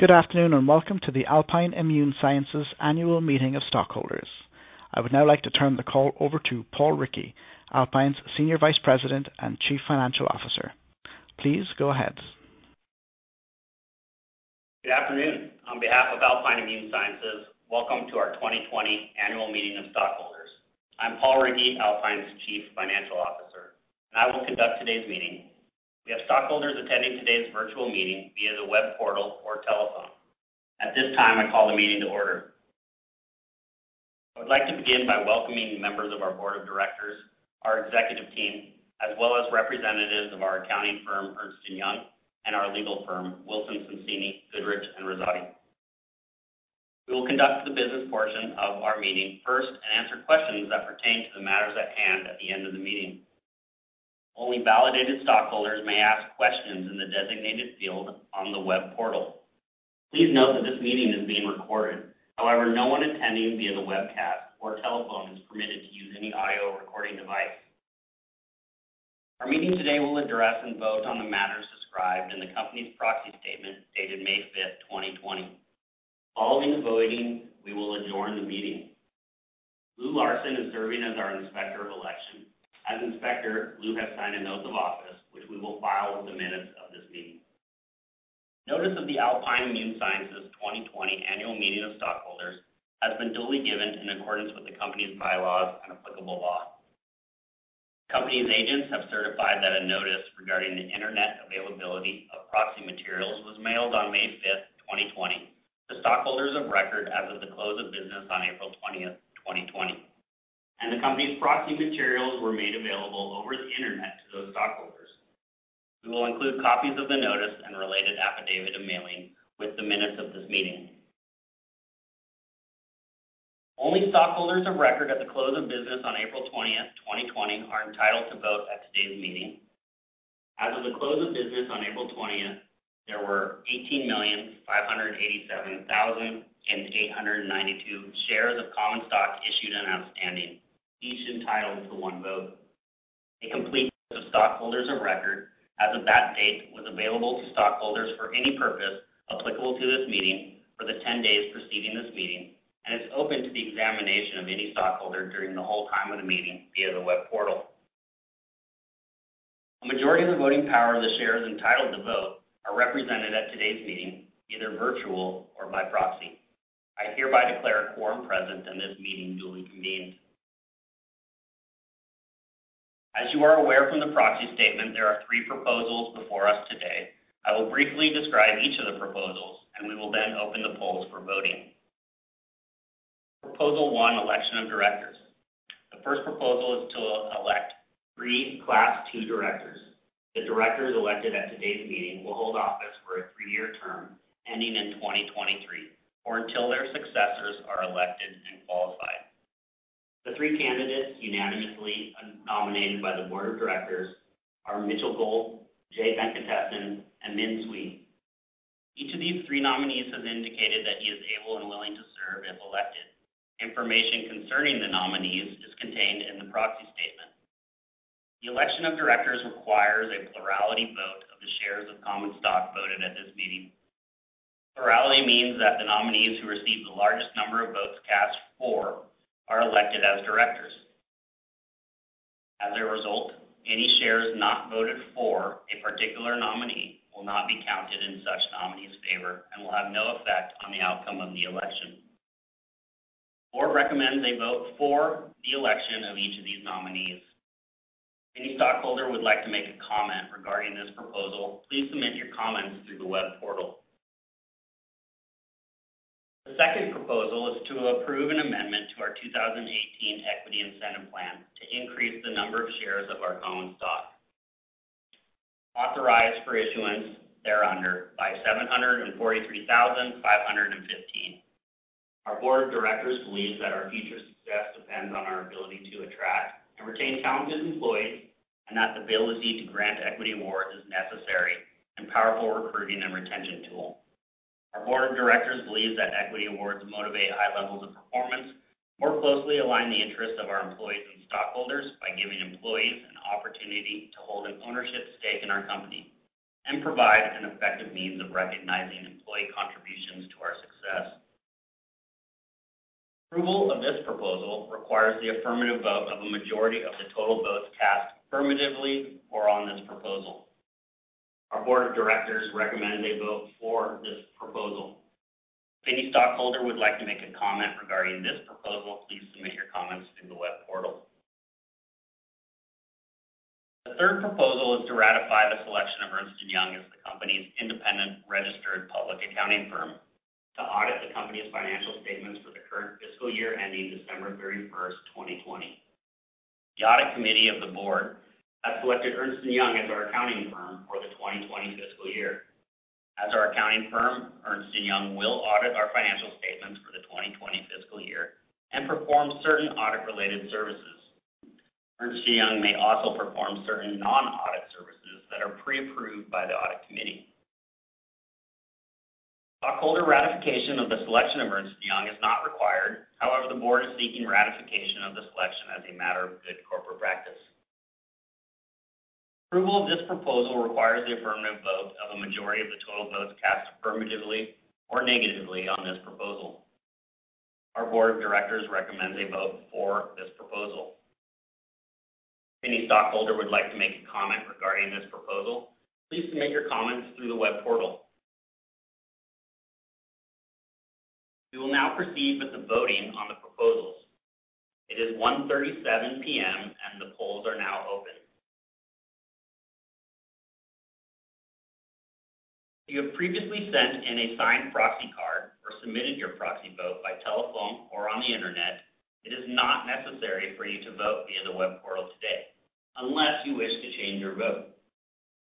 Good afternoon, welcome to the Alpine Immune Sciences Annual Meeting of Stockholders. I would now like to turn the call over to Paul Rickey, Alpine's Senior Vice President and Chief Financial Officer. Please go ahead. Good afternoon. On behalf of Alpine Immune Sciences, welcome to our 2020 Annual Meeting of Stockholders. I'm Paul Rickey, Alpine's Chief Financial Officer, and I will conduct today's meeting. We have stockholders attending today's virtual meeting via the web portal or telephone. At this time, I call the meeting to order. I would like to begin by welcoming members of our board of directors, our executive team, as well as representatives of our accounting firm, Ernst & Young, and our legal firm, Wilson Sonsini Goodrich & Rosati. We will conduct the business portion of our meeting first and answer questions that pertain to the matters at hand at the end of the meeting. Only validated stockholders may ask questions in the designated field on the web portal. Please note that this meeting is being recorded. However, no one attending via the webcast or telephone is permitted to use any audio recording device. Our meeting today will address and vote on the matters described in the company's proxy statement, dated May 5th, 2020. Following the voting, we will adjourn the meeting. Lou Larson is serving as our Inspector of Election. As inspector, Lou has signed an oath of office, which we will file with the minutes of this meeting. Notice of the Alpine Immune Sciences 2020 Annual Meeting of Stockholders has been duly given in accordance with the company's bylaws and applicable law. Company's agents have certified that a notice regarding the internet availability of proxy materials was mailed on May 5th, 2020 to stockholders of record as of the close of business on April 20th, 2020, and the company's proxy materials were made available over the internet to those stockholders. We will include copies of the notice and related affidavit of mailing with the minutes of this meeting. Only stockholders of record at the close of business on April 20th, 2020, are entitled to vote at today's meeting. As of the close of business on April 20th, there were 18,587,892 shares of common stock issued and outstanding, each entitled to one vote. A complete list of stockholders of record as of that date was available to stockholders for any purpose applicable to this meeting for the 10 days preceding this meeting and is open to the examination of any stockholder during the whole time of the meeting via the web portal. A majority of the voting power of the shares entitled to vote are represented at today's meeting, either virtual or by proxy. I hereby declare a quorum present and this meeting duly convened. As you are aware from the proxy statement, there are three proposals before us today. I will briefly describe each of the proposals, and we will then open the polls for voting. Proposal one, election of directors. The first proposal is to elect three Class II directors. The directors elected at today's meeting will hold office for a three-year term ending in 2023 or until their successors are elected and qualified. The three candidates unanimously nominated by the board of directors are Mitchell Gold, Jay Venkatesan, and Xiangmin Cui. Each of these three nominees has indicated that he is able and willing to serve if elected. Information concerning the nominees is contained in the proxy statement. The election of directors requires a plurality vote of the shares of common stock voted at this meeting. Plurality means that the nominees who receive the largest number of votes cast for are elected as directors. As a result, any shares not voted for a particular nominee will not be counted in such nominee's favor and will have no effect on the outcome of the election. The board recommends a vote for the election of each of these nominees. If any stockholder would like to make a comment regarding this proposal, please submit your comments through the web portal. The second proposal is to approve an amendment to our 2018 Equity Incentive Plan to increase the number of shares of our common stock authorized for issuance thereunder by 743,515. Our board of directors believes that our future success depends on our ability to attract and retain talented employees, and that the ability to grant equity awards is a necessary and powerful recruiting and retention tool. Our board of directors believes that equity awards motivate high levels of performance, more closely align the interests of our employees and stockholders by giving employees an opportunity to hold an ownership stake in our company and provide an effective means of recognizing employee contributions to our success. Approval of this proposal requires the affirmative vote of a majority of the total votes cast affirmatively or on this proposal. Our board of directors recommends a vote for this proposal. If any stockholder would like to make a comment regarding this proposal, please submit your comments through the web portal. The third proposal is to ratify the selection of Ernst & Young as the company's independent registered public accounting firm to audit the company's financial statements for the current fiscal year ending December 31st, 2020. The audit committee of the board has selected Ernst & Young as our accounting firm for the 2020 fiscal year. As our accounting firm, Ernst & Young will audit our financial statements for the 2020 fiscal year and perform certain audit-related services. Ernst & Young may also perform certain non-audit services that are pre-approved by the audit committee. Stockholder ratification of the selection of Ernst & Young is not required. However, the board is seeking ratification of the selection as a matter of good corporate practice. Approval of this proposal requires the affirmative vote of a majority of the total votes cast affirmatively or negatively on this proposal. Our board of directors recommends a vote for this proposal. If any stockholder would like to make a comment regarding this proposal, please submit your comments through the web portal. We will now proceed with the voting on the proposals. It is 1:37 P.M., and the polls are now open. If you have previously sent in a signed proxy card or submitted your proxy vote by telephone or on the internet, it is not necessary for you to vote via the web portal today unless you wish to change your vote.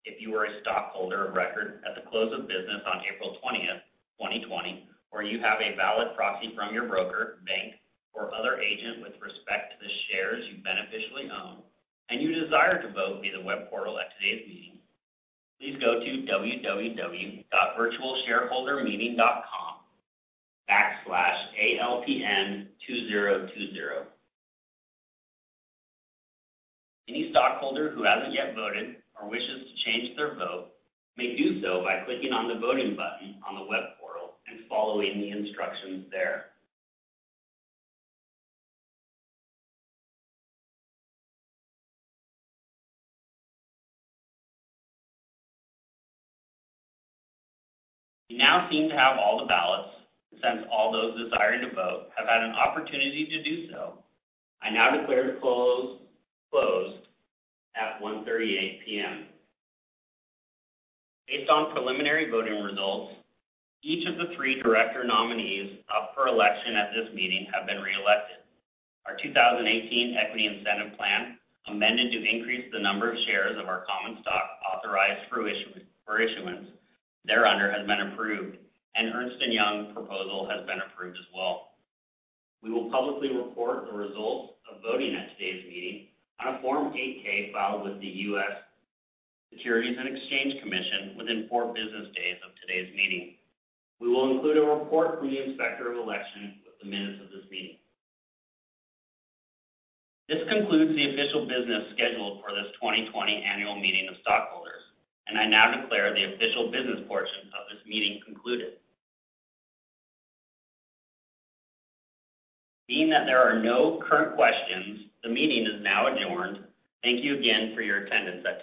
If you are a stockholder of record at the close of business on April 20th, 2020, or you have a valid proxy from your broker, bank, or other agent with respect to the shares you beneficially own and you desire to vote via the web portal at today's meeting, please go to www.virtualshareholdermeeting.com/ALPN2020. Any stockholder who hasn't yet voted or wishes to change their vote may do so by clicking on the voting button on the web portal and following the instructions there. We now seem to have all the ballots. Since all those desiring to vote have had an opportunity to do so, I now declare the polls closed at 1:38 P.M. Based on preliminary voting results, each of the three director nominees up for election at this meeting have been reelected. Our 2018 Equity Incentive Plan, amended to increase the number of shares of our common stock authorized for issuance thereunder has been approved, and Ernst & Young proposal has been approved as well. We will publicly report the results of voting at today's meeting on a Form 8-K filed with the U.S. Securities and Exchange Commission within four business days of today's meeting. We will include a report from the Inspector of Election with the minutes of this meeting. This concludes the official business scheduled for this 2020 annual meeting of stockholders, and I now declare the official business portions of this meeting concluded. Being that there are no current questions, the meeting is now adjourned. Thank you again for your attendance.